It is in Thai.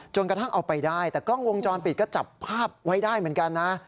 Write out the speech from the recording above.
กระทั่งเอาไปได้แต่กล้องวงจรปิดก็จับภาพไว้ได้เหมือนกันนะ